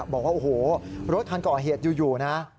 บอกว่าโอ้โหรถคันก่อเหตุอยู่นะ